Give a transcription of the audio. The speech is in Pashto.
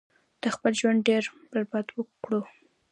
تا خپل ژوند ډیر برباد کړو